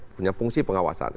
punya fungsi pengawasan